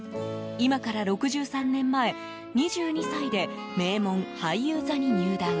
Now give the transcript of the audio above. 今から６３年前２２歳で名門・俳優座に入団。